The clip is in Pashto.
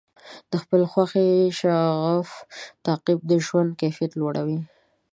د خپلې خوښې شغف تعقیب د ژوند کیفیت لوړوي.